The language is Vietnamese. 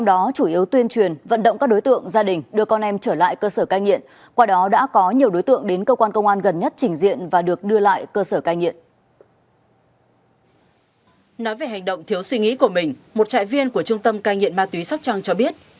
ngoại tâm cai nghiện ma túy sóc trăng cho biết